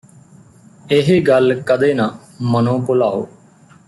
ਇਹ ਗੱਲ ਕਦੇ ਨਾ ਮਨੋਂ ਭੁਲਾਓ